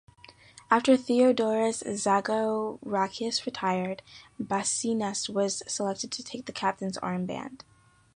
After Theodoros Zagorakis retired, Basinas was selected to take the captains arm band.